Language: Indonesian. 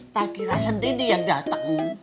tak kira sendiri yang datang